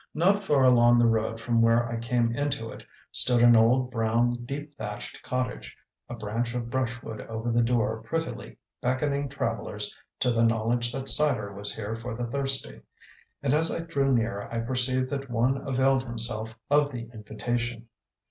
Not far along the road from where I came into it, stood an old, brown, deep thatched cottage a branch of brushwood over the door prettily beckoning travellers to the knowledge that cider was here for the thirsty; and as I drew near I perceived that one availed himself of the invitation.